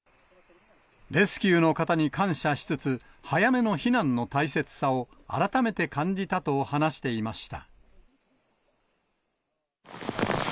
レスキューの方に感謝しつつ、早めの避難の大切さを改めて感じたと話していました。